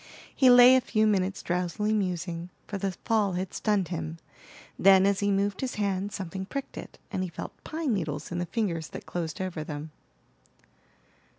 He lay a few minutes drowsily musing, for the fall had stunned him; then, as he moved his hand something pricked it, and he felt pine needles in the fingers that closed over them.